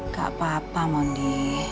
gak apa apa mondi